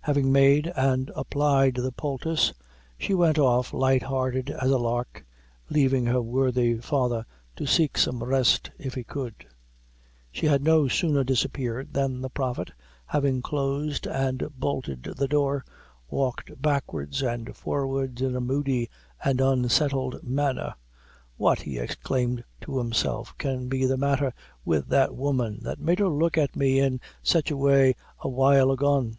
Having made and applied the poultice, she went off, light hearted as a lark, leaving her worthy father to seek some rest if he could. She had no sooner disappeared than the prophet, having closed and bolted the door, walked backwards and forwards, in a moody and unsettled manner. "What," he exclaimed to himself, "can be the matther with that woman, that made her look at me in sich a way a while agone?